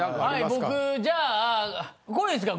僕じゃあこれいいですか？